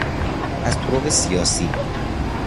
از طرق سیاسی